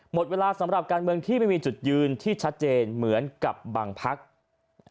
หมดเวลาสำหรับการเมืองที่ไม่มีจุดยืนที่ชัดเจนเหมือนกับบางพัก